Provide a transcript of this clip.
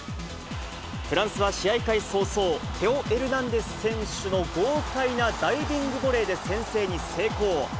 フランスは試合開始早々、テオ・エルナンデス選手の豪快なダイビングボレーで先制に成功。